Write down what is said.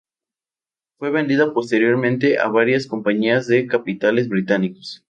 Fue vendida posteriormente a varias compañías de capitales británicos.